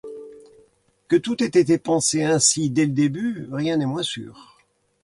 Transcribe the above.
Que tout ait été pensé ainsi dès le début, rien n'est moins sûr.